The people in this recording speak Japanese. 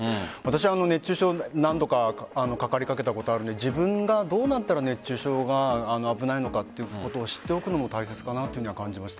熱中症に何度かかかりかけたことがあるので自分が熱中症になったら危ないのかということを知っておくのも大切かなと思いました。